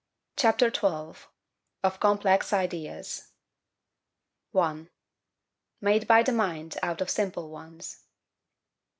CHAPTER XII. OF COMPLEX IDEAS. 1. Made by the Mind out of simple Ones.